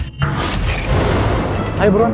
saya tidak bisa tenang